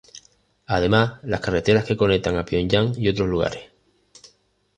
Además, las carreteras que conectan a Pyongyang y otros lugares.